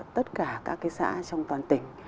tất cả các cái xã trong toàn tỉnh